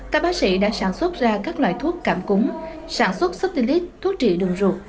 các bác sĩ đã sản xuất ra các loại thuốc cảm cúng sản xuất stili thuốc trị đường ruột